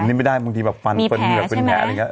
มีแผลใช่ไหมนะ